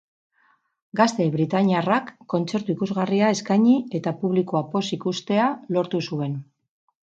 Gazte britaniarrak kontzertu ikusgarria eskaini eta publikoa pozik uztea lortu zuen.